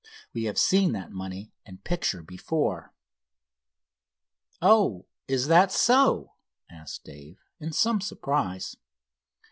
We have seen that money and picture before." "Oh, is that so?" asked Dave, in some surprise.